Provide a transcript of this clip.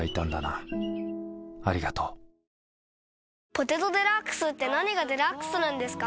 「ポテトデラックス」って何がデラックスなんですか？